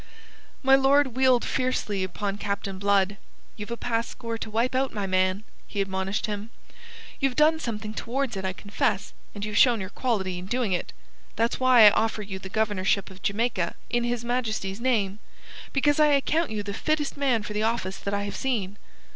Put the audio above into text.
My lord wheeled fiercely upon Captain Blood. "You've a past score to wipe out, my man!" he admonished him. "You've done something towards it, I confess; and you've shown your quality in doing it. That's why I offer you the governorship of Jamaica in His Majesty's name because I account you the fittest man for the office that I have seen."